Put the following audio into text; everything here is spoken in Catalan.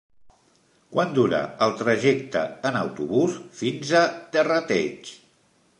Quant dura el trajecte en autobús fins a Terrateig?